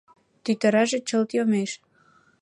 Тӱтыраже чылт йомеш.